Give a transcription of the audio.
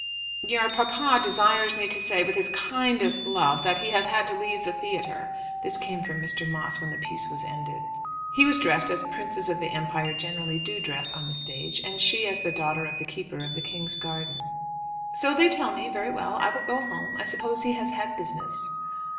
"Your papa desires me to say with his kindest love, that he has had to leave the theatre." This came from Mr. Moss when the piece was ended. He was dressed as princes of the empire generally do dress on the stage, and she as the daughter of the keeper of the king's garden. "So they tell me; very well. I will go home. I suppose he has had business."